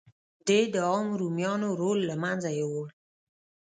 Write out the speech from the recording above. دې د عامو رومیانو رول له منځه یووړ